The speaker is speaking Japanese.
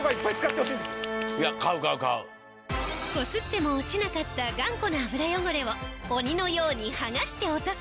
こすっても落ちなかった頑固な油汚れを鬼のように剥がして落とす